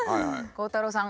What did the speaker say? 鋼太郎さん。